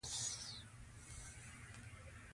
ځوانان د خپل دین او وطن د ساتنې لپاره هڅه کوي.